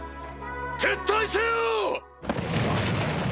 撤退せよ！！